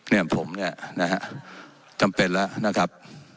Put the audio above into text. เนี่ยผมเนี่ยนะฮะจำเป็นแล้วนะครับ